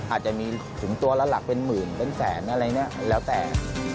อาจจะมีถึงตัวละหลักเป็นหมื่นเป็นแสนอะไรเนี่ยแล้วแต่